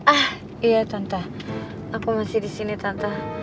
ah iya tante aku masih di sini tante